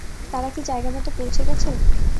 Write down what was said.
তারা কী জায়গামত পৌঁছে গেছে?